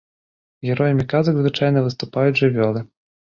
Героямі казак звычайна выступаюць жывёлы.